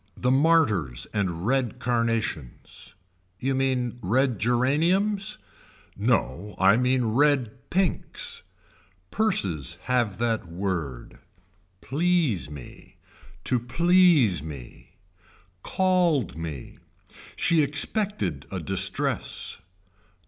The martyrs and red carnations. You mean red geraniums. No I mean red pinks. Purses have that word. Please me. To please me. Called me. She expected a distress.